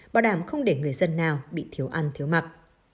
bảo đảm không để người dân nào bị thiếu ăn thiếu mặc